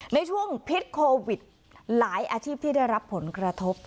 ในช่วงพิษโควิดหลายอาชีพที่ได้รับผลกระทบ